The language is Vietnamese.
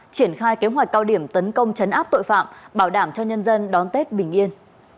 triển khai kế hoạch cao điểm tấn công chấn áp tội phạm bảo đảm cho nhân dân đón tết bình yên